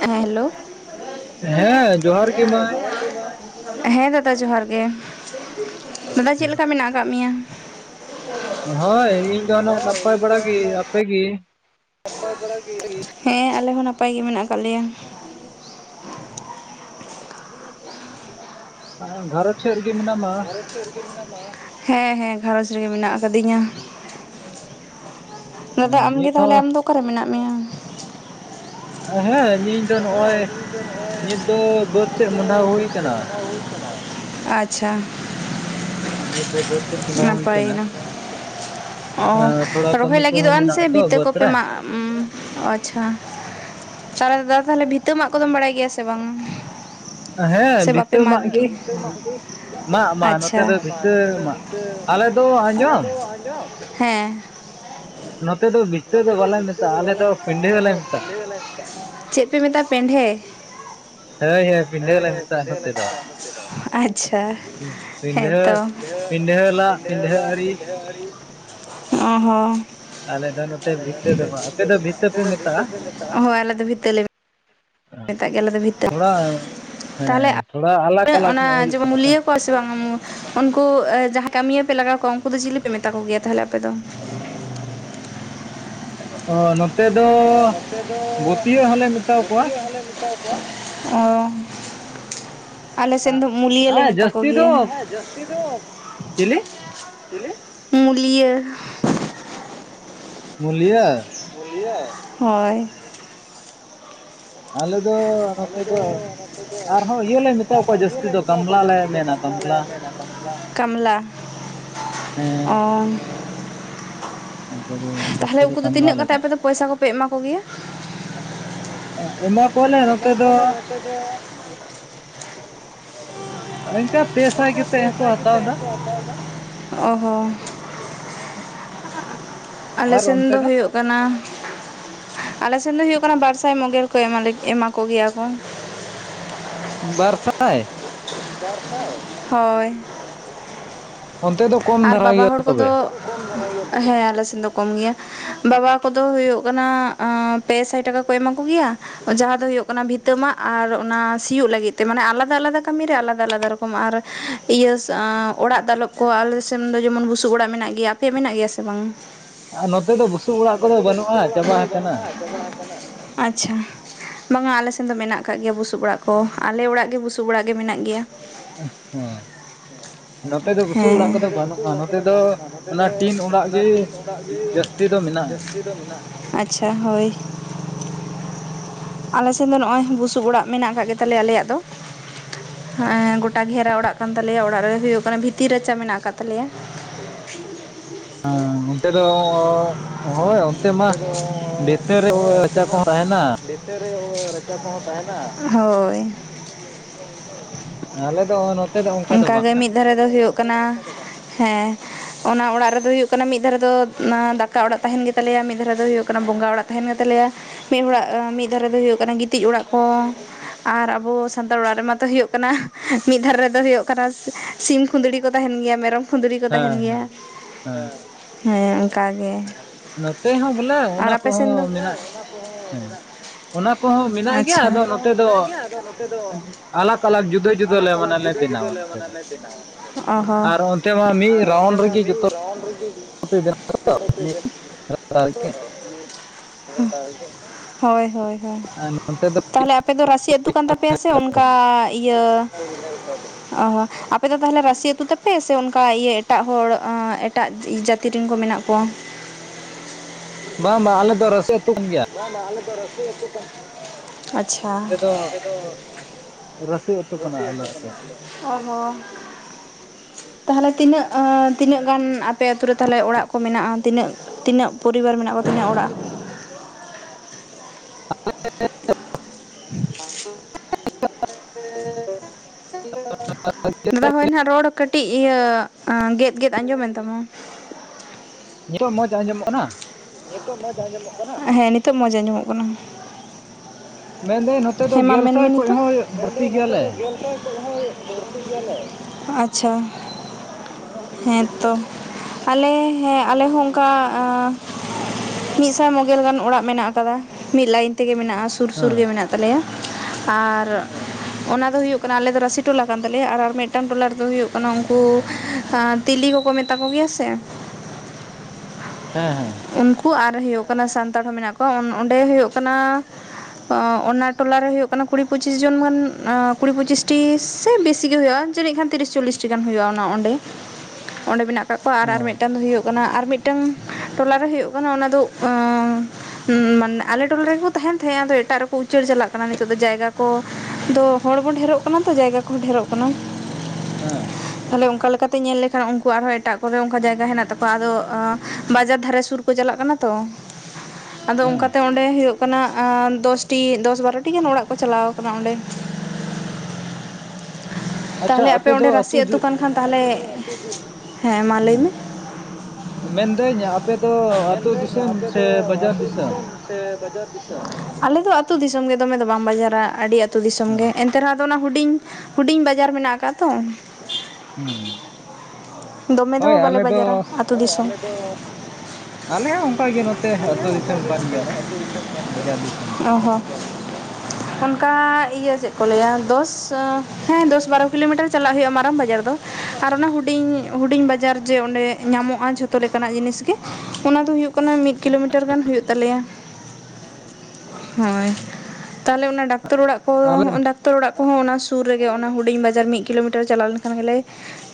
ᱦᱮᱸ ᱦᱮᱞᱳ [unintelligible] ᱦᱮᱸ ᱫᱟᱫᱟ ᱡᱚᱦᱟᱨ ᱜᱮ ᱫᱟᱫᱟ ᱪᱮᱫ ᱞᱮᱠᱟ ᱢᱮᱱᱟᱜ ᱟᱠᱟᱫ ᱢᱮᱭᱟ? ᱦᱳᱭ ᱤᱧ ᱫᱚ ᱱᱟᱜ ᱱᱟᱯᱟᱭ ᱵᱟᱲᱟ ᱜᱮ ᱟᱯᱮ ᱜᱮᱼᱼ [unintelligible] ᱦᱮᱸ ᱟᱞᱮ ᱦᱚᱸ ᱱᱟᱯᱟᱭ ᱜᱮ ᱢᱮᱱᱟᱜ ᱠᱟᱫ ᱞᱮᱭᱟ᱾ ᱜᱷᱟᱨᱚᱡᱽ ᱥᱮᱫ ᱨᱮ ᱜᱮ ᱢᱮᱱᱟ ᱢᱟ [unintelligible] ᱦᱮᱸ ᱦᱮᱸ ᱜᱷᱟᱨᱚᱡᱽ ᱨᱮ ᱜᱮ ᱢᱮᱱᱟᱜ ᱟᱠᱟᱫᱤᱧᱟ ᱫᱟᱫᱟ ᱟᱢ ᱜᱮ ᱛᱟᱦᱚᱞᱮ ᱟᱢ ᱫᱚ ᱚᱠᱟᱨᱮ ᱢᱮᱱᱟᱜ ᱢᱮᱭᱟ? ᱦᱮᱸ ᱤᱧ ᱫᱚ ᱱᱚᱜᱼ ᱚᱭ ᱱᱤᱛ ᱫᱚ ᱵᱟᱹᱫᱽ ᱥᱮᱫ ᱢᱚᱦᱚᱰᱟ ᱦᱩᱭ ᱟᱠᱟᱱᱟ ᱟᱪᱪᱷᱟ ᱱᱤᱛ ᱫᱚ ᱵᱟᱹᱫᱽ ᱥᱮᱫ ᱢᱚᱦᱚᱰᱟ ᱦᱩᱭ ᱟᱠᱟᱱᱟ ᱚ ᱨᱚᱦᱚᱭ ᱞᱟᱹᱜᱤᱫᱚᱜᱼᱟᱱ ᱥᱮ ᱵᱷᱤᱛᱟᱹ ᱠᱚ ᱯᱮ ᱢᱟᱜᱼᱼ ᱩᱸᱢ ᱟᱪᱪᱷᱟ ᱥᱟᱲᱮ ᱫᱚᱥ ᱛᱟᱦᱚᱞᱮ ᱵᱷᱤᱛᱟᱹ ᱢᱟᱜ ᱠᱚᱫᱚᱢ ᱵᱟᱲᱟᱭ ᱜᱮᱭᱟ ᱥᱮ ᱵᱟᱝ-ᱟ? ᱥᱮ ᱵᱟᱯᱮ ᱢᱟᱜᱽ ᱜᱮ ᱟᱪᱪᱷᱟ [unintelligible] ᱦᱮᱸ ᱱᱚᱛᱮ ᱫᱚ ᱵᱤᱛᱟᱹ ᱫᱚ ᱵᱟᱞᱮ ᱢᱮᱛᱟᱜᱼᱟ ᱟᱞᱮ ᱫᱚ ᱯᱤᱰᱟᱹ ᱞᱮ ᱢᱮᱛᱟᱜᱼᱟ ᱪᱮᱫ ᱪᱮᱫ ᱯᱮ ᱢᱮᱛᱟᱜᱼᱟ ᱯᱮᱱᱰᱮ [unintelligible] ᱟᱪᱪᱷᱟ ᱦᱮᱸ ᱛᱚ [unintelligible] ᱚ ᱦᱚᱸ [unintelligible] ᱦᱳᱭ ᱟᱞᱮ ᱫᱚ ᱵᱷᱤᱛᱟᱹ ᱞᱮᱼᱼ ᱢᱮᱛᱟᱜ ᱜᱮᱭᱟᱞᱮ ᱫᱚ ᱵᱷᱤᱛᱟᱹ ᱛᱟᱦᱚᱞᱮ ᱟᱯᱮᱭᱟᱜ ᱚᱱᱟ ᱡᱮᱢᱚᱱ ᱢᱩᱞᱭᱟᱹᱼᱼ ᱥᱮ ᱵᱟᱝᱼᱟ ᱩᱱᱠᱩ ᱡᱟᱦᱟᱸᱭ ᱠᱟᱹᱢᱤᱭᱟᱹ ᱯᱮ ᱞᱟᱜᱟᱣ ᱠᱚᱣᱟ ᱩᱱᱠᱩ ᱫᱚ ᱡᱤᱞᱤ ᱯᱮ ᱢᱮᱛᱟ ᱠᱚ ᱜᱮᱭᱟ ᱛᱟᱦᱞᱮ ᱟᱯᱮ ᱫᱚᱼᱼ ᱱᱚᱛᱮ ᱫᱚ ᱜᱩᱛᱭᱟᱹ ᱦᱚᱸᱞᱮ ᱢᱮᱛᱟ ᱠᱚᱣᱟ᱾ ᱚ ᱟᱞᱮ ᱥᱮᱱ ᱫᱚ ᱢᱩᱞᱤᱭᱟᱹ ᱞᱮ ᱢᱮᱛᱟ ᱠᱚ ᱜᱮᱭᱟ [unintelligible] ᱪᱤᱞᱤ ᱢᱩᱞᱤᱭᱟᱹ ᱢᱩᱞᱤᱭᱟᱹ ᱢᱩᱞᱤᱭᱟᱹ ᱦᱳᱭ ᱟᱞᱮ ᱫᱚ ᱟᱞᱮ ᱫᱚ ᱱᱚᱛᱮ ᱫᱚ ᱟᱨᱦᱚᱸ ᱤᱭᱟ ᱞᱮ ᱢᱮᱛᱟ ᱠᱚᱣᱟ ᱡᱟᱹᱥᱛᱤ ᱫᱚ ᱵᱟᱢᱞᱟ ᱞᱮ ᱢᱮᱱᱟ ᱵᱟᱢᱞᱟᱼᱼ ᱠᱟᱢᱞᱟ ᱚ ᱛᱟᱦᱞᱮ ᱩᱱᱠᱩ ᱫᱚ ᱛᱤᱱᱟᱹᱜ ᱠᱟᱛᱮ ᱟᱯᱮ ᱫᱚ ᱯᱚᱭᱥᱟ ᱠᱚᱯᱮ ᱮᱢᱟ ᱠᱚ ᱜᱮᱭᱟ? [unintelligible] ᱤᱱᱟᱹ ᱵᱚᱞᱮ ᱱᱚᱛᱮ ᱫᱚ ᱤᱱᱠᱟᱹ ᱯᱮ ᱥᱟᱭ ᱠᱟᱛᱮᱫ ᱦᱚᱸ ᱠᱚ ᱦᱟᱛᱟᱣ ᱮᱫᱟ᱾ ᱚ ᱦᱚ ᱟᱞᱮ ᱥᱮᱱ ᱫᱚ ᱦᱩᱭᱩᱜᱼᱼ ᱦᱩᱭᱩᱜ ᱠᱟᱱᱟ ᱟᱞᱮ ᱥᱮᱱ ᱫᱚ ᱦᱩᱭᱩᱜ ᱠᱟᱱᱟ ᱵᱟᱨ ᱥᱟᱭ ᱢᱚᱜᱮᱞ ᱠᱚ ᱮᱢᱟ ᱞᱮ ᱮᱢᱟ ᱠᱚ ᱜᱮᱭᱟ ᱠᱚᱼᱼ ᱵᱟᱨ ᱥᱟᱭ ᱵᱟᱨ ᱥᱟᱭ ᱦᱳᱭ ᱚᱱᱛᱮ ᱫᱚ ᱠᱚᱢ ᱫᱷᱟᱨᱟ ᱜᱮᱭᱟ ᱛᱚᱵᱮᱼᱼ ᱦᱮᱸ ᱟᱞᱮ ᱥᱮᱱ ᱫᱚ ᱠᱚᱢ ᱜᱮᱭᱟ। ᱵᱟᱵᱟ ᱠᱚᱫᱚ ᱦᱳᱭᱳᱜ ᱠᱟᱱᱟ ᱟᱸ ᱯᱮ ᱥᱟᱭ ᱴᱟᱠᱟ ᱠᱚ ᱮᱢᱟ ᱠᱚ ᱜᱮᱭᱟ ᱡᱟᱦᱟᱸ ᱫᱚ ᱦᱳᱭᱳᱜ ᱠᱟᱱᱟ ᱵᱷᱤᱛᱟᱹᱢᱟᱜ ᱟᱨ ᱚᱱᱟ ᱥᱤᱭᱳᱜ ᱞᱟᱹᱜᱤᱫ ᱛᱮ ᱢᱟᱱᱮ ᱟᱞᱟᱫᱟ ᱟᱞᱟᱫᱟ ᱠᱟᱹᱢᱤ ᱨᱮ ᱟᱞᱟᱫᱟ ᱟᱞᱟᱫᱟ ᱨᱚᱠᱚᱢ ᱠᱚᱢᱟ ᱟᱨ ᱤᱭᱟᱹ ᱟᱸ ᱚᱲᱟᱜ ᱫᱟᱞᱚᱵ ᱠᱚ ᱟᱞᱮ- ᱥᱮᱱ ᱫᱚ ᱡᱮᱢᱚᱱ ᱵᱩᱥᱩᱵ ᱚᱲᱟᱜ ᱢᱮᱱᱟᱜ ᱜᱮᱭᱟ ᱟᱯᱮᱭᱟᱜ ᱢᱮᱱᱟᱜ ᱜᱮᱭᱟ ᱥᱮ ᱵᱟᱝ? ᱱᱚᱛᱮ ᱫᱚ ᱵᱩᱥᱩᱵ ᱚᱲᱟᱜ ᱠᱚᱫᱚ ᱵᱟᱹᱱᱩᱜᱼᱟ ᱪᱟᱵᱟ ᱦᱟᱠᱟᱱᱟ ᱟᱪᱷᱟ ᱵᱟᱝᱟ ᱟᱞᱮ ᱥᱮᱱ ᱫᱚ ᱢᱮᱱᱟᱜ ᱠᱟᱜ ᱜᱮᱭᱟ ᱵᱩᱥᱩᱵ ᱚᱲᱟᱜ ᱠᱚ ᱟᱞᱮ ᱚᱲᱟᱜ ᱜᱮ ᱵᱩᱥᱩᱵ ᱚᱲᱟᱜ ᱜᱮ ᱢᱮᱱᱟᱜ ᱜᱮᱭᱟ। ᱚ- ᱦᱚᱸ ᱱᱚᱛᱮ ᱫᱚ ᱵᱩᱥᱩᱵ ᱚᱲᱟᱜ ᱠᱚᱫᱚ ᱵᱟᱹᱱᱩᱜᱼᱟ ᱱᱚᱛᱮ ᱫᱚ ᱚᱱᱟ ᱴᱤᱱ ᱚᱲᱟᱜ ᱜᱮ ᱡᱟᱹᱥᱛᱤ ᱫᱚ ᱢᱮᱱᱟᱜᱼᱟ। ᱢᱮᱱᱟᱜᱼᱟ ᱟᱪᱷᱟ ᱦᱳᱭ। ᱟᱞᱮ ᱥᱮᱱ ᱫᱚ ᱱᱚᱜᱼᱚᱭ ᱵᱩᱥᱩᱵ ᱚᱲᱟᱜ ᱢᱮᱱᱟᱜ ᱠᱟᱜ ᱜᱮ ᱛᱟᱞᱮᱭᱟ ᱟᱞᱮᱭᱟᱜ ᱫᱚ ᱦᱮᱸ ᱜᱚᱴᱟ ᱜᱷᱮᱨᱟ ᱚᱲᱟᱜ ᱠᱟᱱ ᱛᱟᱞᱮᱭᱟ ᱚᱲᱟᱜ ᱨᱮ ᱦᱳᱭᱳᱜ ᱠᱟᱱᱟ ᱵᱷᱤᱛᱤᱨ ᱨᱟᱪᱟ ᱢᱮᱱᱟᱜ ᱟᱠᱟᱜ ᱛᱟᱞᱮᱭᱟ ᱚ ᱚᱱᱛᱮ ᱫᱚ ᱦᱳᱭ ᱚᱱᱛᱮ ᱢᱟ ᱵᱷᱤᱛᱟᱹᱨ ᱨᱮ ᱨᱟᱪᱟ ᱠᱚᱦᱚᱸ ᱛᱟᱦᱮᱱᱟ ᱨᱟᱪᱟ ᱠᱚ ᱛᱟᱦᱮᱱᱟ ᱦᱳᱭ ᱟᱞᱮ ᱫᱚ ᱚᱱᱠᱟᱜᱮ ᱢᱤᱫ ᱫᱷᱟᱨᱮ ᱫᱚ ᱦᱳᱭᱳᱜ ᱠᱟᱱᱟ ᱦᱮᱸ ᱚᱱᱟ ᱚᱲᱟᱜ ᱨᱮᱫᱚ ᱦᱩᱭᱩᱜ ᱠᱟᱱᱟ ᱢᱤᱫ ᱫᱷᱟᱨᱮ ᱫᱚ ᱫᱟᱠᱟ ᱚᱲᱟᱜ ᱛᱟᱦᱮᱸᱱ ᱜᱮᱛᱟᱞᱮᱭᱟ ᱢᱤᱫ ᱫᱷᱟᱨᱮ ᱫᱚ ᱦᱳᱭᱳᱜ ᱠᱟᱱᱟ ᱵᱚᱸᱜᱟ ᱚᱲᱟᱜ ᱛᱟᱦᱮᱱ ᱜᱮᱛᱟᱟᱞᱮᱭᱟ ᱢᱤᱫ ᱦᱚᱲᱟᱜ ᱢᱤᱫ ᱫᱷᱟᱨᱮ ᱫᱚ ᱦᱩᱭᱩᱜ ᱠᱟᱱᱟ ᱜᱤᱛᱤᱡ ᱚᱲᱟᱜ ᱠᱚ ᱟᱨ ᱟᱵᱚ ᱥᱟᱱᱛᱟᱲ ᱚᱲᱟᱜ ᱨᱮ ᱢᱟᱛᱚ ᱦᱳᱭᱳᱜ ᱠᱟᱱᱟ ᱢᱤᱫ ᱫᱷᱟᱨᱮ ᱨᱮᱫᱚ ᱦᱳᱭᱳᱜ ᱥᱤᱢ ᱠᱷᱩᱸᱫᱽᱲᱤ ᱠᱚ ᱛᱟᱦᱮᱱ ᱜᱮᱭᱟ ᱢᱮᱨᱚᱢ ᱠᱷᱩᱸᱫᱽᱲᱤ ᱠᱚ ᱛᱟᱦᱮᱱ ᱜᱮᱭᱟ ᱦᱮᱸ ᱚᱱᱠᱟ ᱜᱮ ᱟᱨ ᱟᱯᱮ ᱥᱮᱱ ᱫᱚ? ᱟᱪᱷᱟ ᱱᱚᱛᱮ ᱦᱚᱸ ᱢᱮᱱᱟᱜ ᱜᱮᱭᱟ ᱟᱫᱚ ᱱᱚᱛᱮ ᱫᱚ ᱟᱞᱟᱠ ᱟᱞᱟᱠ ᱡᱩᱫᱟᱹ ᱡᱩᱫᱟᱹ [unintelligible] ᱚᱦᱚ ᱟᱨ ᱚᱱᱛᱮ ᱢᱟ ᱢᱤᱫ ᱨᱟᱭᱩᱱᱰ ᱨᱮᱜᱮ [inaudible] ᱦᱳᱭ ᱦᱳᱭ ᱦᱳᱭ ᱟᱨ ᱱᱚᱛᱮ ᱫᱚ ᱛᱟᱞᱦᱮ ᱟᱯᱮ ᱫᱚ ᱨᱟᱹᱥᱤ ᱟᱹᱛᱩ ᱠᱟᱱ ᱛᱟᱯᱮᱭᱟ ᱥᱮ ᱚᱱᱠᱟ ᱤᱭᱟᱹ? ᱚ ᱟᱯᱮ ᱫᱚ ᱛᱟᱞᱦᱮ ᱨᱟᱹᱥᱤ ᱟᱹᱛᱩ ᱛᱟᱯᱮ ᱥᱮ ᱚᱱᱠᱟ ᱤᱭᱟᱹ ᱮᱴᱟᱜ ᱦᱚᱲ ᱮᱴᱟᱜ ᱡᱟᱛᱤ ᱛᱤᱨᱤᱧ ᱠᱚ ᱢᱮᱱᱟᱜ ᱠᱚᱣᱟ ᱵᱟᱝ ᱵᱟᱝ ᱟᱞᱮ ᱫᱚ ᱨᱟᱹᱥᱤ ᱟᱹᱛᱩ ᱠᱟᱱ ᱜᱮᱭᱟ। ᱵᱟᱝ ᱵᱟᱝ ᱟᱞᱮ ᱫᱚ ᱨᱟᱹᱥᱤ ᱟ. ᱛᱩ ᱠᱟ ᱟᱪᱪᱷᱟ। ᱟᱞᱮ ᱫᱚ ᱨᱟᱹᱥᱤ ᱟᱹᱛᱩ ᱠᱟᱱᱟᱞᱮ। ᱚᱦᱚ ᱛᱟᱞᱦᱮ ᱛᱤᱱᱟᱹᱜ ᱮᱸ ᱛᱤᱱᱟᱹᱜ ᱜᱟᱱ ᱟᱯᱮ ᱟᱹᱛᱩ ᱨᱮ ᱛᱟᱞᱦᱮ ᱚᱲᱟᱜ ᱠᱚ ᱢᱮᱱᱟᱜᱼᱟ ᱛᱤᱱᱟᱹᱜ ᱛᱤᱱᱟᱹᱜ ᱯᱚᱨᱤᱵᱟᱨ ᱢᱮᱱᱟᱜ ᱠᱚᱣᱟ ᱛᱤᱱᱟᱹᱜ ᱚᱲᱟᱜ? [inaudible] [inaudible] ᱟᱫᱚ ᱦᱳᱭ ᱱᱟᱦᱟᱜ ᱨᱚᱲ ᱠᱟᱹᱴᱤᱡ ᱤᱭᱟᱹ ᱜᱮᱫ ᱜᱮᱫ ᱟᱸᱡᱚᱢᱮᱱ ᱛᱟᱢᱟ ᱱᱤᱛᱚᱜ ᱢᱚᱸᱡᱽ ᱟᱸᱡᱚᱢᱚᱜ ᱠᱟᱱᱟ? ᱱᱤᱛᱳᱜ ᱢᱚᱡᱽ ᱟᱸᱡᱚᱢᱚᱜ ᱠᱟᱱᱟ? ᱦᱮᱸ ᱱᱤᱛᱳᱜ ᱢᱚᱡᱽ ᱟᱸᱡᱚᱢᱚᱜ ᱠᱟᱱᱟ। ᱦᱮᱸ ᱢᱟ ᱢᱮᱱᱢᱮ ᱱᱤᱛᱳᱜ ᱟᱪᱪᱷᱟ ᱦᱮᱸᱛᱚ ᱟᱞᱮ ᱦᱮᱸ ᱟᱞᱮ ᱦᱚᱸ ᱚᱱᱠᱟ ᱟᱸ ᱢᱤᱫ ᱥᱟᱭ ᱢᱚᱜᱮᱞ ᱜᱟᱱ ᱚᱲᱟᱜ ᱢᱮᱱᱟᱜ ᱟᱠᱟᱫᱟ ᱢᱤᱫ ᱞᱟᱭᱤᱱ ᱛᱮᱜᱮ ᱢᱮᱱᱟᱜᱼᱟ ᱥᱩᱨ ᱥᱩᱨ ᱜᱮ ᱢᱮᱱᱟᱜ ᱛᱟᱞᱮᱭᱟ ᱟᱨ ᱚᱱᱟ ᱫᱚ ᱦᱩᱭᱩᱜ ᱠᱟᱱᱟ ᱟᱞᱮ ᱫᱚ ᱨᱟᱥᱤ ᱴᱚᱞᱟ ᱠᱟᱱ ᱛᱟᱞᱮᱭᱟ ᱟᱨ ᱢᱤᱫᱴᱟᱱ ᱴᱚᱞᱟ ᱨᱮᱫᱚ ᱦᱩᱭᱩᱜ ᱠᱟᱱᱟ ᱩᱱᱠᱩ ᱟᱸ ᱛᱤᱞᱤ ᱠᱚᱠᱚ ᱢᱮᱛᱟ ᱠᱚ ᱜᱮᱭᱟ ᱥᱮ ᱦᱮᱸ ᱦᱮᱸ ᱩᱱᱠᱩ ᱟᱨ ᱦᱩᱭᱩᱜ ᱠᱟᱱᱟ ᱥᱟᱱᱛᱟᱲ ᱦᱚᱲ ᱢᱮᱱᱟᱜ ᱠᱚᱣᱟ ᱚᱸᱰᱮ ᱦᱩᱭᱩᱜ ᱠᱟᱱᱟ ᱚ ᱚᱱᱟ ᱴᱚᱞᱟ ᱨᱮ ᱦᱩᱭᱩᱜ ᱠᱟᱱᱟ ᱠᱩᱲᱤ ᱯᱚᱸᱪᱤᱥ ᱡᱚᱱ ᱜᱟᱱ ᱠᱩᱲᱤ ᱯᱚᱸᱪᱤᱥᱴᱤ ᱥᱮ ᱵᱮᱥᱤ ᱜᱮ ᱦᱩᱭᱩᱜᱼᱟ ᱡᱟᱹᱱᱤᱜ ᱠᱷᱟᱱ ᱛᱤᱨᱤᱥ ᱪᱚᱞᱞᱤᱥᱴᱤ ᱜᱟᱱ ᱦᱩᱭᱩᱜᱼᱟ ᱚᱱᱟ ᱚᱸᱰᱮ ᱚᱸᱰᱮ ᱢᱮᱱᱟᱜ ᱠᱟᱜ ᱠᱚᱣᱟ ᱟᱨ ᱢᱤᱫᱴᱟᱝ ᱫᱚ ᱦᱩᱭᱩᱜ ᱠᱟᱱᱟ ᱟᱨ ᱢᱤᱫᱴᱟᱝ ᱴᱚᱞᱟ ᱨᱮ ᱦᱩᱭᱩᱜ ᱠᱟᱱᱟ ᱚᱱᱟ ᱫᱚ ᱟᱸ ᱢᱟᱱᱮ ᱟᱞᱮ ᱴᱚᱞᱟ ᱨᱮᱜᱮᱠᱚ ᱛᱟᱦᱮᱱ ᱛᱟᱦᱮᱸᱱᱟ ᱟᱫᱚ ᱮᱴᱟᱜ ᱨᱮᱠᱚ ᱩᱪᱟᱹᱲ ᱪᱟᱞᱟᱜ ᱠᱟᱱᱟ ᱱᱤᱛᱚᱜ ᱫᱚ ᱡᱟᱭᱜᱟ ᱠᱚᱫᱚ ᱦᱚᱲᱵᱚ ᱰᱷᱮᱹᱨᱚᱜ ᱠᱟᱱᱟ ᱛᱚ ᱡᱟᱭᱜᱟ ᱠᱚᱦᱚᱸ ᱰᱷᱮᱨᱚᱜ ᱠᱟᱱᱟ᱾ ᱦᱮᱸ ᱛᱟᱦᱞᱮ ᱚᱱᱠᱟ ᱞᱮᱠᱟᱛᱮ ᱧᱮᱞ ᱞᱮᱠᱷᱟᱱ ᱩᱱᱠᱩ ᱟᱨᱦᱚᱸ ᱮᱴᱟᱜ ᱠᱚᱨᱮᱜ ᱚᱱᱠᱟ ᱡᱟᱭᱜᱟ ᱦᱮᱱᱟᱜ ᱛᱟᱠᱚᱣᱟ ᱟᱫᱚᱼᱼ ᱵᱟᱡᱟᱨ ᱫᱷᱟᱨᱮ ᱥᱩᱨ ᱠᱚ ᱪᱟᱞᱟᱜ ᱠᱟᱱᱟ ᱛᱚ ᱟᱫᱚ ᱚᱱᱠᱟ ᱛᱮᱼᱼ ᱚᱸᱰᱮ ᱦᱩᱭᱩᱜ ᱠᱟᱱᱟ ᱫᱚᱥᱴᱤᱤ ᱫᱚᱥ ᱵᱟᱨᱚᱴᱤ ᱜᱟᱱ ᱚᱲᱟᱜ ᱠᱚ ᱪᱟᱞᱟᱣ ᱟᱠᱟᱱᱟ ᱚᱸᱰᱮᱼᱼ ᱛᱟᱦᱞᱮ ᱟᱯᱮ ᱚᱸᱰᱮ ᱨᱟᱥᱤᱮ ᱟᱹᱛᱩ ᱠᱟᱱ ᱠᱷᱟᱱ ᱛᱟᱦᱮ ᱦᱮᱸ ᱢᱟ ᱞᱟᱹᱭ ᱢᱮ ᱢᱮᱱᱫᱟᱹᱧ ᱟᱯᱮ ᱫᱚ ᱟᱹᱛᱩ ᱫᱤᱥᱚᱢ ᱥᱮ ᱵᱟᱡᱟᱨ ᱫᱤᱥᱚᱢ? ᱟᱞᱮ ᱫᱚ ᱟᱹᱛᱩ ᱫᱤᱥᱚᱢ ᱜᱮ ᱫᱚᱢᱮ ᱫᱚ ᱵᱟᱝ ᱵᱟᱡᱟᱨᱟ ᱟᱹᱰᱤ ᱟᱹᱛᱩ ᱫᱤᱥᱚᱢ ᱜᱮ ᱮᱱᱼᱼ ᱮᱱᱛᱮ ᱨᱮᱦᱚ ᱦᱩᱧ ᱦᱩᱰᱤᱧ ᱵᱟᱡᱟᱨ ᱢᱮᱱᱟᱜ ᱟᱠᱟᱜᱼᱟ ᱛᱚᱼᱼ ᱫᱚᱢᱮ ᱫᱚ ᱵᱟᱞᱮ ᱵᱟᱡᱟᱨᱟ ᱟᱹᱛᱩ ᱫᱤᱥᱚᱢ᱾ ᱟᱞᱮ ᱦᱚᱸ ᱚᱱᱠᱟᱜ ᱜᱮᱼᱼ ᱚᱸ ᱦᱚᱸ ᱚᱱᱠᱟ ᱤᱭᱟᱹ ᱪᱮᱫ ᱠᱚ ᱞᱟᱹᱭᱟ ᱫᱚᱥ ᱦᱮᱸ ᱫᱚᱥ ᱵᱟᱨᱚ ᱠᱤᱞᱳᱢᱤᱴᱟᱨ ᱪᱟᱞᱟᱜ ᱦᱩᱭᱩᱜᱼᱟ ᱢᱟᱨᱟᱝ ᱵᱟᱡᱟᱨ ᱫᱚ᱾ ᱟᱨ ᱚᱱᱟ ᱦᱩᱰᱤᱧ ᱦᱩᱰᱤᱧ ᱵᱟᱡᱟᱨ ᱡᱮ ᱚᱸᱰᱮ ᱧᱟᱢᱚᱜᱼᱟ ᱡᱷᱚᱛᱚ ᱞᱮᱠᱟᱱᱟᱜ ᱡᱤᱱᱤᱥ ᱜᱮ᱾ ᱚᱱᱟ ᱫᱚ ᱦᱩᱭᱩᱜ ᱠᱟᱱᱟ ᱢᱤᱫ ᱠᱤᱞᱳ ᱢᱤᱴᱟᱨ ᱜᱟᱱ ᱦᱳᱭᱳᱜ ᱛᱟᱞᱮᱭᱟ᱾ ᱦᱳᱭ ᱛᱟᱦᱞᱮ ᱚᱱᱟ ᱰᱟᱠᱛᱚᱨ ᱚᱲᱟᱜ ᱠᱚ ᱰᱟᱠᱛᱼᱼ ᱛᱚᱨ ᱚᱲᱟᱜ ᱠᱚᱦᱚᱸ ᱚᱱᱟ ᱥᱩᱨ ᱨᱮᱜᱮ ᱚᱱᱟ ᱦᱩᱰᱤᱧ ᱵᱟᱡᱟᱨ ᱢᱤᱫ ᱠᱤᱞᱳᱢᱤᱴᱟᱨ ᱪᱟᱞᱟᱣ ᱞᱮᱱᱠᱷᱟᱱ ᱜᱮᱞᱮᱼᱼ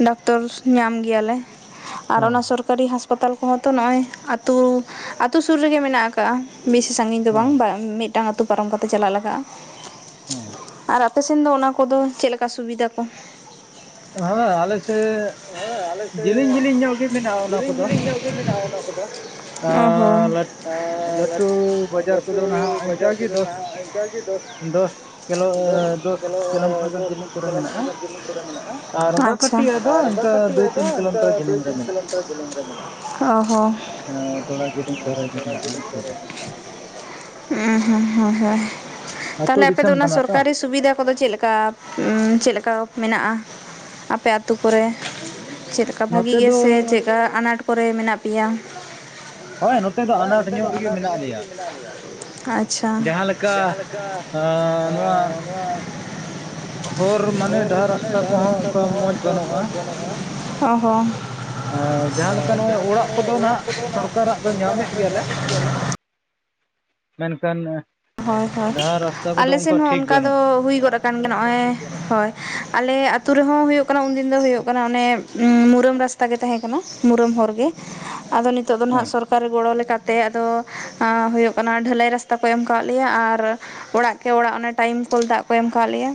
ᱰᱟᱠᱛᱚᱨ ᱧᱟᱢ ᱜᱮᱭᱟᱞᱮ᱾ ᱟᱨ ᱚᱱᱟ ᱥᱚᱨᱠᱟᱨᱤ ᱦᱟᱸᱥᱯᱟᱛᱟᱞ ᱠᱚᱦᱚᱸ ᱛᱚ ᱱᱚᱜᱼᱚᱭ ᱟᱛᱳ ᱟᱛᱳ ᱥᱩᱨ ᱨᱮᱜᱮ ᱢᱮᱱᱟᱜ ᱟᱠᱟᱫᱟ᱾ ᱠᱟᱜᱼᱟ ᱵᱤᱥᱤ ᱥᱟᱺᱜᱤᱧ ᱫᱚ ᱵᱟᱝ ᱢᱤᱫᱴᱟᱝ ᱟᱹᱛᱩ ᱯᱟᱨᱚᱢ ᱠᱟᱛᱮ ᱪᱟᱞᱟᱜ ᱞᱟᱜᱟᱜᱼᱟ᱾ ᱦᱩᱸ ᱟᱨ ᱟᱯᱮᱥᱮᱱ ᱫᱚ ᱚᱱᱟ ᱠᱚᱫᱚ ᱪᱮᱫ ᱞᱮᱠᱟ ᱥᱩᱵᱤᱫᱟ ᱠᱚ? ᱦᱮᱸ ᱟᱞᱮ ᱥᱮᱫ ᱡᱮᱞᱮᱧ ᱡᱮᱞᱤᱧ ᱧᱚᱜ ᱜᱮ ᱢᱮᱱᱟᱜᱼᱟ ᱚᱱᱟ ᱠᱚᱫᱚ᱾ ᱢᱮᱱᱟᱜᱼᱟ ᱚᱱᱟ ᱠᱚᱫᱚ᱾ ᱚ ᱦᱚᱸ ᱞᱟᱹᱴᱷᱩ ᱵᱟᱡᱟᱨ ᱠᱚᱫᱚ ᱢᱮᱱᱟᱜᱼᱟ ᱚᱱᱠᱟᱜᱮᱼᱼ ᱫᱮᱞ ᱡ ᱪ [inaudible] ᱢᱮᱱᱟᱜᱼᱟ ᱟᱪᱪᱷᱟ ᱚᱱᱠᱟ ᱠᱟᱴᱤᱡ ᱟᱫᱚ ᱫᱩᱭ ᱛᱤᱱ ᱠᱤᱞᱳᱢᱤᱴᱟᱨ ᱰᱩᱞᱩᱝ ᱜᱟᱹᱰᱤ ᱾ ᱛᱷᱚᱲᱟ ᱜᱮᱞᱤᱧ ᱫᱷᱟᱹᱨᱟ ᱜᱮ ᱢᱮᱱᱟᱜᱼᱟ ᱱᱤᱛᱚᱜ ᱫᱚ᱾ ᱦᱩᱸ ᱦᱩᱸ ᱦᱳᱭ ᱦᱳᱭ᱾ ᱛᱟᱦᱞᱮ ᱟᱯᱮ ᱫᱚ ᱚᱱᱟ ᱥᱚᱨᱠᱟᱨᱤ ᱥᱩᱵᱤᱫᱟ ᱠᱚ ᱫᱚ ᱪᱮᱫ ᱞᱮᱠᱟ? ᱪᱮᱫ ᱞᱮᱠᱟ ᱢᱮᱱᱟᱜᱼᱟ ᱟᱯᱮ ᱟᱛᱳ ᱠᱚᱨᱮ? ᱪᱮᱫ ᱞᱮᱠᱟ ᱵᱷᱟᱹᱜᱤ ᱜᱮᱥᱮ ᱪᱮᱫ ᱞᱮᱠᱟ ᱟᱱᱟᱴ ᱠᱚᱨᱮ ᱢᱮᱱᱟᱜ ᱯᱮᱭᱟ? ᱦᱳᱭ ᱱᱚᱛᱮ ᱫᱚ ᱟᱱᱟᱴ ᱧᱚᱜ ᱜᱮ ᱢᱮᱱᱟᱜ ᱞᱮᱭᱟ ᱟᱪᱪᱷᱟ ᱡᱟᱦᱟᱞᱮᱠᱟ ᱼᱼ ᱠᱟ ᱱᱚᱣᱟᱼᱼ ᱦᱚᱨ ᱢᱟᱱᱮ ᱡᱟᱦᱟᱸ ᱨᱟᱥᱛᱟ ᱛᱮ ᱦᱚᱸ [unintelligible] ᱚ ᱦᱚᱸ ᱮ ᱡᱟᱦᱟᱸ ᱞᱮᱠᱟ ᱱᱚᱜᱼᱚᱭ ᱚᱲᱟᱜ ᱠᱚᱫᱚ ᱦᱟᱜ ᱥᱚᱨᱠᱟᱨᱟᱜ ᱫᱚ ᱧᱟᱢᱮᱫ ᱜᱮᱭᱟᱞᱮ᱾ ᱢᱮᱱᱠᱷᱟᱱ ᱦᱳᱭ ᱦᱳᱭ ᱟᱞᱮᱥᱮᱱ ᱦᱚᱸ ᱚᱱᱠᱟ ᱫᱚ ᱦᱩᱭ ᱜᱚᱫᱼᱼ ᱠᱟᱱ ᱜᱮ ᱱᱚᱜᱼᱦᱳᱭ ᱟᱞᱮ ᱟᱛᱳ ᱨᱮᱦᱚᱸ ᱦᱩᱭᱩᱜ ᱠᱟᱱᱟ ᱩᱱᱫᱤᱱ ᱫᱚ ᱦᱩᱭᱩᱜ ᱠᱟᱱᱟ ᱚᱱᱮ ᱢᱩᱨᱟᱹᱢ ᱨᱟᱥᱼᱼ ᱛᱟ ᱜᱮ ᱛᱟᱦᱮᱸ ᱠᱟᱱᱟ ᱢᱩᱩᱴᱨᱟᱹᱢ ᱦᱚᱨ ᱜᱮ ᱟᱫᱚᱼᱼ ᱱᱤᱛᱚᱜ ᱫᱚ ᱱᱟᱦᱟᱜ ᱥᱚᱨᱠᱟᱨᱤ ᱜᱚᱲᱚ ᱞᱮᱠᱟᱛᱮ ᱟᱫᱚ ᱦᱩᱭᱩᱜ ᱠᱟᱱᱟ ᱰᱷᱟᱹᱞᱟᱹᱭ ᱨᱟᱥᱛᱟ ᱠᱚ ᱮᱢᱼᱼ ᱠᱟᱜ ᱞᱮᱭᱟ ᱟᱨ ᱚᱲᱟᱜ ᱠᱮ ᱚᱲᱟᱜ ᱴᱟᱭᱤᱢ ᱠᱚᱞ ᱫᱟᱜ ᱠᱚ ᱮᱢ ᱠᱟᱜ ᱞᱮᱭᱟ᱾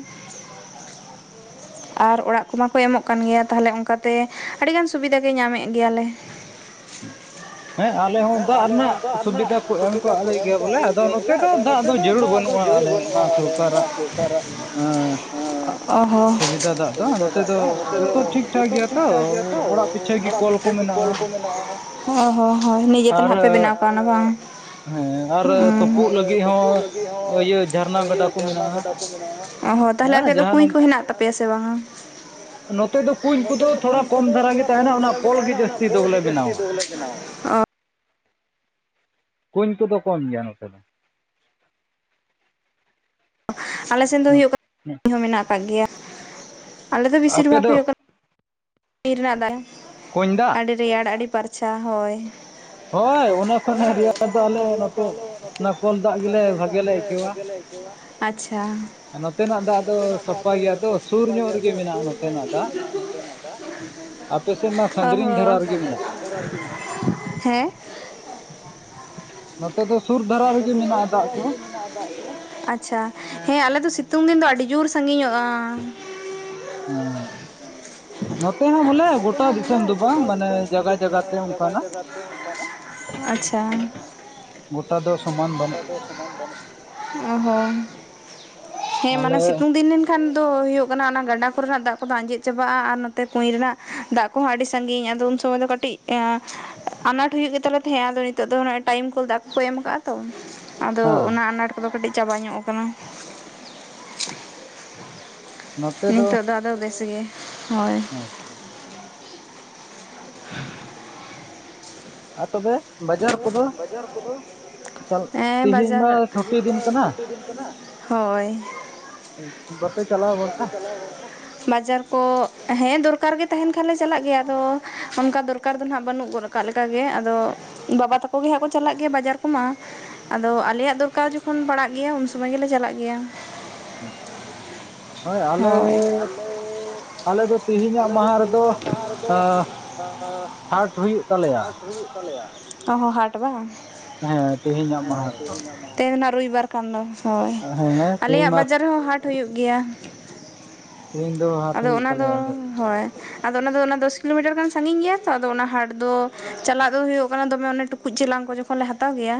[inaudible] ᱟᱨ ᱚᱲᱟᱜ ᱠᱚᱢᱟᱠᱚ ᱮᱢᱚᱜ ᱠᱟᱱ ᱜᱮᱭᱟ ᱛᱟᱦᱞᱮ ᱚᱱᱠᱟᱛᱮ ᱟᱹᱰᱤᱜᱟᱱ ᱥᱩᱵᱤᱫᱷᱟ ᱜᱮ ᱧᱟᱢᱮᱫ ᱜᱮᱭᱟᱞᱮ᱾ [inaudible] ᱦᱮᱸ ᱟᱞᱮ ᱦᱚᱸ ᱫᱟᱜ ᱨᱮᱱᱟᱜ ᱥᱩᱵᱤᱫᱟ ᱠᱚ ᱮᱢ ᱠᱟᱜ ᱞᱮ ᱜᱮᱭᱟ ᱵᱚᱞᱮ᱾ ᱱᱚᱛᱮ ᱫᱚ ᱫᱟᱜ ᱫᱚ ᱡᱟᱹᱨᱩᱲ ᱵᱟᱹᱱᱩᱜᱼᱟ ᱟᱞᱮ ᱱᱚᱣᱟ ᱥᱚᱨᱠᱟᱨᱟᱜᱼᱼ ᱚ ᱦᱚᱸ ᱥᱩᱵᱤᱫᱟ ᱫᱟᱜ ᱱᱚᱛᱮ ᱫᱚ ᱡᱚᱛᱚ ᱴᱷᱤᱠ ᱴᱷᱟᱠ ᱜᱮᱭᱟ ᱛᱚ ᱚᱲᱟᱜᱼᱼ ᱠᱚᱞ ᱠᱚ ᱢᱮᱱᱟᱜᱼᱟ ᱚ ᱦᱚᱸ ᱦᱳᱭ ᱱᱤᱡᱮ ᱛᱮ ᱱᱟᱦᱟᱜ ᱯᱮ ᱵᱮᱱᱟᱣ ᱠᱟᱣᱱᱟ ᱵᱟᱝ? ᱦᱮᱸ ᱟᱨ ᱛᱩᱯᱩᱜ ᱞᱟᱹᱜᱤᱫᱼᱼ ᱛᱩᱯᱩᱜ ᱞᱟᱜᱤᱫ ᱦᱚᱸ ᱤᱣᱟᱹ ᱡᱷᱟᱨᱱᱟ ᱜᱟᱰᱟ ᱠᱚ ᱢᱮᱱᱟᱜ-ᱟ ᱚ ᱦᱚ ᱛᱟᱦᱚᱞᱮ ᱟᱯᱮ ᱫᱚ ᱠᱩᱧ ᱠᱚ ᱦᱮᱱᱟᱜ ᱛᱟᱯᱮ? ᱯᱮᱮᱥ ᱥᱮ ᱵᱟᱝᱟ? ᱱᱚᱛᱮ ᱫᱚ ᱠᱩᱧ ᱠᱚᱫᱚ ᱛᱷᱚᱲᱟ ᱠᱚᱢ ᱫᱷᱟᱨᱟ ᱜᱮ ᱛᱟᱦᱮᱱᱟ ᱚᱱᱟ ᱠᱚᱞ ᱜᱮ ᱡᱟᱹᱥᱛᱤ ᱫᱚ ᱵᱚᱞᱮ᱾ ᱚᱻ ᱠᱩᱧ ᱠᱚᱫᱚ ᱠᱚᱢ ᱜᱮᱭᱟ ᱱᱚᱛᱮ ᱫᱚ᱾ ᱟᱞᱮ ᱥᱮᱱ ᱫᱚ ᱦᱩᱭᱩᱜ [inaudible] ᱦᱚᱸ ᱠᱟᱱᱟ ᱢᱮᱱᱟᱜ ᱠᱟᱜ ᱜᱮᱭᱟ ᱟᱞᱮ ᱫᱚ ᱵᱮᱥᱤᱨ ᱵᱷᱟᱜᱽ ᱦᱩᱭᱩᱜ ᱠᱟᱱᱟᱼᱼ [inaudible] ᱨᱮᱱᱟᱜ ᱫᱟᱜ ᱟᱹᱰᱤ ᱨᱮᱭᱟᱲ ᱟᱹᱰᱤ ᱯᱟᱨᱪᱷᱟ ᱦᱳᱭ ᱦᱳᱭ ᱚᱱᱮ ᱠᱷᱚᱱᱮ ᱨᱮᱭᱟᱲ ᱫᱚ ᱟᱞᱮ ᱱᱚᱛᱮ ᱚᱱᱟ ᱠᱚᱞ ᱫᱟᱜ ᱜᱮᱞᱮ ᱵᱷᱟᱜ ᱞᱮ ᱟᱹᱭᱠᱟᱹᱣᱟ᱾ ᱟᱪᱪᱷᱟ ᱱᱚᱛᱮᱱᱟᱜ ᱫᱟᱜ ᱫᱚ ᱥᱟᱯᱷᱟᱭ ᱜᱮᱭᱟ ᱛᱚ ᱥᱩᱨ ᱧᱜ [unintelligible] ᱚ ᱦᱚ ᱦᱮᱸ‍? [unintelligible] ᱱᱚᱛᱮ ᱫᱚ ᱥᱩᱨ ᱫᱷᱟᱨᱟ ᱨᱮᱜᱮ ᱢᱮᱱᱟᱜᱼᱟ ᱫᱟᱜ ᱫᱚ᱾ ᱟᱪᱪᱷᱟ ᱦᱮᱸ ᱟᱞᱮ ᱫᱚ ᱥᱤᱛᱩᱝ ᱫᱤᱱ ᱫᱚ ᱟᱹᱰᱤ ᱡᱳᱨ ᱥᱟᱺᱜᱤᱧᱚᱜᱼᱟ᱾ ᱦᱮᱸ [unintelligible] ᱱᱚᱛᱮ ᱦᱚᱸ ᱦᱩᱱᱟᱹᱜ ᱜᱚᱴᱟ ᱫᱤᱥᱚᱢ ᱡᱟᱭᱜᱟ ᱡᱟᱭᱜᱟ ᱛᱮ ᱚᱱᱠᱟᱱᱟ ᱟᱪᱪᱷᱟ ᱜᱚᱴᱟ ᱫᱚ ᱥᱚᱢᱟᱱ ᱵᱟᱹᱱᱩᱜᱼᱟ᱾ ᱚ ᱦᱚᱸ ᱦᱮᱸ ᱢᱟᱱᱮ ᱥᱤᱛᱩᱝ ᱫᱤᱱ [unintelligible] ᱮᱠᱷᱟᱱ ᱫᱚ ᱦᱳᱳᱜ ᱠᱟᱱᱟ ᱚᱱᱟ ᱜᱟᱰᱟ ᱠᱚᱨᱮᱱᱟᱜ ᱫᱟᱜ ᱠᱚᱫᱚ ᱟᱸᱡᱮᱫ ᱪᱟᱵᱟᱜᱼᱟ ᱟᱨ ᱱᱚᱛᱮ ᱠᱩᱸᱧ ᱨᱮᱱᱟᱜ ᱫᱟᱜ ᱠᱚᱦᱚᱸ ᱟᱹᱰᱤ ᱥᱟᱺᱟᱹᱜᱤᱧ ᱟᱫᱚ ᱩᱱᱥᱚᱢᱚᱭ ᱫᱚ ᱠᱟᱹᱴᱤᱡ ᱮ ᱟᱱᱟᱴ ᱦᱩᱭᱩᱜ ᱜᱮᱛᱟᱞᱮ ᱛᱟᱦᱮᱸᱜᱼᱟ ᱟᱫᱚ ᱱᱤᱛᱚᱜ ᱫᱚ ᱴᱟᱭᱤᱢ ᱠᱚᱞ ᱫᱟᱜ ᱠᱚᱠᱚ ᱮᱢ ᱟᱠᱟᱟᱜᱼᱟ ᱛᱚ ᱟᱫᱚ ᱚᱱᱟ ᱟᱱᱟᱴ ᱠᱚᱫᱚ ᱠᱟᱹᱴᱤᱡ ᱪᱟᱵᱟ ᱧᱚᱜ ᱟᱠᱟᱱᱟ᱾ ᱱᱤᱛᱚᱜ ᱫᱚ ᱟᱫᱚ ᱵᱮᱥᱜ ᱜᱮ ᱦᱳᱭ᱾ ᱟᱪᱪᱷᱟ ᱟᱪᱷᱟ᱾ [inaudible] ᱟᱨ ᱛᱚᱵᱮ? ᱟᱨ ᱛᱚᱵᱮ ᱵᱟᱡᱟᱨ ᱠᱚᱫᱚ ᱦᱮᱸ ᱵᱟᱡᱟᱨ ᱛᱤᱦᱤᱧ ᱢᱟ [unintelligible] ᱦᱳᱭ [unintelligible] ᱵᱟᱡᱟᱨ ᱠᱚ ᱦᱮᱸ ᱫᱚᱨᱠᱟᱨ ᱜᱮ ᱛᱟᱦᱮᱱ ᱠᱷᱟᱱ ᱞᱮ ᱪᱟᱞᱟᱜ ᱜᱮᱭᱟ ᱟᱫᱚ ᱚᱱᱠᱟ ᱫᱚᱨᱠᱟᱨ ᱫᱚ ᱱᱟᱦᱟᱜ ᱵᱟᱹᱱᱩᱜ ᱜᱚᱫᱼᱼ ᱠᱟᱜ ᱞᱮᱠᱟᱜ ᱜᱮ ᱟᱫᱚ ᱵᱟᱵᱟ ᱛᱟᱠᱚ ᱜᱮ ᱦᱟᱸᱜ ᱠᱚ ᱪᱟᱞᱟᱜ ᱜᱮ ᱵᱟᱡᱟᱨ ᱠᱚᱢᱟ ᱟᱫᱚ ᱟᱞᱮᱭᱟᱜ ᱫᱚᱨᱠᱟᱨ ᱡᱚᱠᱷᱚᱱ ᱯᱟᱲᱟᱜ ᱜᱮᱭᱟ ᱩᱱ ᱥᱚᱢᱚᱭ ᱜᱮᱞᱮ ᱪᱟᱞᱟᱜ ᱜᱮᱭᱟ᱾ ᱦᱳᱭ ᱟᱞᱮᱼᱼ ᱟᱞᱮ ᱫᱚ ᱛᱮᱤᱦᱤᱧᱟᱜ ᱢᱟᱦᱟ ᱨᱮᱫᱚ ᱦᱟᱴ ᱦᱩᱭᱩᱜ ᱛᱟᱞᱮᱭᱟ᱾ ᱚ ᱦᱚᱸ ᱦᱟᱴ ᱵᱟᱝ ᱛᱮ ᱨᱮᱱᱟᱜ ᱨᱚᱵᱤᱵᱟᱨ ᱠᱟᱱ ᱫᱚ ᱦᱳᱭ ᱟᱞᱮᱭᱟᱜ ᱵᱟᱡᱟᱨ ᱨᱮᱦᱚᱸ ᱦᱟᱴ ᱦᱩᱭᱩᱜ ᱜᱮᱭᱟ᱾ ᱤᱧ ᱫᱚ ᱦᱟᱜᱼᱼ ᱟᱫᱚ ᱚᱱᱟᱫᱚ ᱦᱳᱭ᱾ ᱟᱫᱚ ᱚᱱᱟ ᱫᱚ ᱫᱚᱥ ᱠᱤᱞᱳᱢᱤᱴᱟᱨ ᱜᱟᱱ ᱥᱟᱜᱤᱧ ᱜᱮᱭᱟ ᱛᱚ ᱟᱫᱚ ᱚᱱᱟ ᱦᱟᱴ ᱫᱚ ᱪᱟᱞᱟᱜ ᱫᱚ ᱦᱩᱭᱩᱜ ᱠᱟᱱᱟ ᱫᱚᱢᱮ ᱴᱩᱠᱩᱡ ᱪᱮᱞᱟᱝ ᱠᱚ ᱡᱚᱠᱷᱚᱱ ᱞᱮ ᱦᱟᱛᱟᱣ ᱜᱮᱭᱟ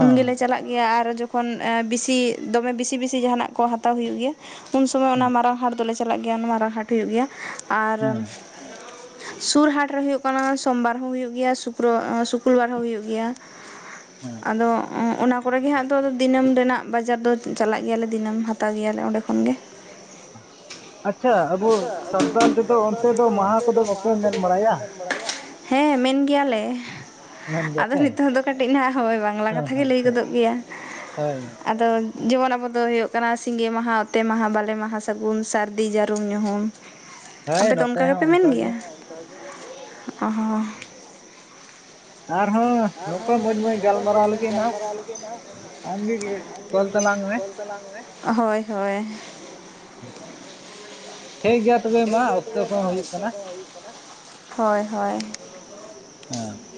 ᱩᱱ ᱜᱮᱞᱮ ᱪᱟᱞᱟᱜ ᱜᱮᱭᱟ ᱟᱨ ᱡᱚᱠᱷᱚᱱ ᱵᱮᱥᱤ ᱫᱚᱢᱮ ᱵᱮᱥᱤ ᱵᱮᱥᱤ ᱡᱟᱦᱟᱱᱟᱜ ᱠᱚ ᱦᱟᱛᱟᱣ ᱦᱩᱭᱩᱜ ᱜᱮᱭᱟ᱾ ᱩᱱ ᱥᱚᱢᱚᱭ ᱚᱱᱟ ᱢᱟᱨᱟᱝ ᱦᱟᱴ ᱫᱚᱞᱮ ᱪᱟᱞᱟᱜ ᱜᱮᱭᱟ᱾ ᱚᱱᱟ ᱢᱟᱨᱟᱝ ᱦᱟᱴ ᱦᱩᱭᱩᱜ ᱜᱮᱭᱟ ᱟᱨ ᱥᱩᱨ ᱦᱟᱴ ᱨᱮ ᱦᱩᱭᱩᱜ ᱠᱟᱱᱟ ᱥᱚᱢᱵᱟᱨ ᱦᱚᱸ ᱦᱩᱭᱩᱜ ᱜᱮᱭᱟ ᱥᱩ ᱯᱨᱳ ᱥᱩᱠᱩᱞ ᱵᱟᱨ ᱦᱚᱸ ᱦᱩᱭᱩᱜ ᱜᱮᱭᱟ᱾ ᱟᱫᱚ ᱠᱚᱨᱮ ᱜᱮ ᱦᱟᱸᱜ ᱫᱚ ᱫᱤᱱᱟᱹᱢ ᱨᱮᱱᱟᱜ ᱵᱟᱡᱟᱨ ᱫᱚ ᱪᱟᱞᱟᱜ ᱜᱮᱭᱟᱞᱮ ᱫᱤᱱᱟᱹᱢ ᱦᱟᱛᱟᱶ ᱜᱮᱭᱟᱞᱮ ᱚᱸᱰᱮ ᱠᱷᱚᱱ ᱜᱮ᱾ ᱟᱪᱪᱷᱟᱼᱼ ᱟᱪᱪᱷᱟ ᱟᱵ ᱥᱟᱱᱛᱟᱲ ᱠᱚᱫᱚ ᱚᱱᱛᱮ ᱫᱚ ᱢᱟᱦᱟ ᱠᱚᱫᱚ ᱵᱟᱠᱚ ᱢᱮᱱ ᱦᱮᱸ ᱢᱮᱱ ᱜᱮᱭᱟᱞᱮ᱾ ᱟᱫᱚ ᱱᱤᱛᱳᱜ ᱫᱚ ᱠᱟᱹᱴᱤᱡ ᱱᱟᱜ ᱦᱳᱭ ᱵᱟᱝᱞᱟ ᱠᱟᱛᱷᱟ ᱜᱮ ᱞᱟᱹᱭ ᱜᱚᱫᱚᱜ ᱜᱮᱭᱟ᱾ ᱟᱫᱚ ᱡᱮᱢᱚᱱ ᱟᱵᱚ ᱫᱚ ᱦᱩᱭᱩᱜ ᱠᱟᱱᱟ - ᱥᱤᱸᱜᱮ ᱢᱟᱦᱟ, ᱚᱛᱮ ᱢᱟᱦᱟ, ᱵᱟᱞᱮ ᱢᱟᱦᱟ, ᱥᱟᱹᱜᱩᱱ, ᱥᱟᱹᱨᱫᱤ, ᱡᱟᱹᱨᱩᱢ, ᱧᱩᱦᱩᱢ᱾ ᱟᱯᱮ ᱫᱚ ᱚᱱᱠᱟ ᱜᱮᱯᱮ ᱢᱮᱱ ᱜᱮᱭᱟ? ᱚᱸ ᱦᱚᱸ ᱟᱨᱦᱚᱸ ᱟᱨᱦᱚᱸ ᱡᱚᱛᱚ ᱢᱚᱡᱽ ᱜᱮ ᱜᱟᱞᱢᱟᱨᱟᱣ ᱞᱟᱹᱜᱤᱫ ᱢᱟ [unintelligible] ᱛᱟᱞᱟᱝ ᱢᱮ? ᱦᱳᱭ ᱦᱳᱭ ᱴᱷᱤᱠ ᱜᱮᱭᱟ ᱛᱚᱵᱮ ᱢᱟ ᱚᱠᱛᱚ ᱠᱚᱦᱚᱸ ᱦᱩᱭᱩᱜ ᱠᱟᱱᱟ ᱾ ᱦᱳᱭ ᱦᱳᱭ, ᱦᱮᱸ